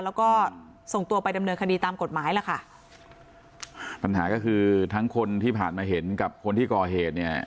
แล้วก็ส่งตัวไปดำเนินคดีตามกฎหมายล่ะค่ะปัญหาก็คือทั้งคนที่ผ่านมาเห็นกับคนที่ก่อเหตุเนี่ย